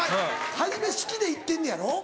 初め好きで行ってんのやろ？